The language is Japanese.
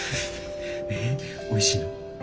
えっおいしいの？